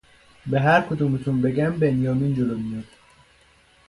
به هرکدومتون بگم بنیامین جلو میاد